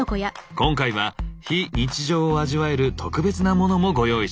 今回は非日常を味わえる特別なモノもご用意しました。